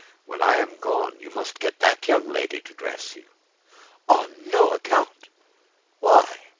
When I am gone you must get that young lady to dress you." "On no account." "Why?